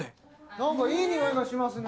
何かいい匂いがしますね。